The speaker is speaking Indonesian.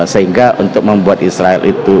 sehingga untuk membuat israel itu